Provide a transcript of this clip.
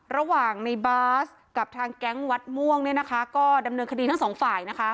ระหว่างในบาสกับทางแก๊งวัดม่วงเนี่ยนะคะก็ดำเนินคดีทั้งสองฝ่ายนะคะ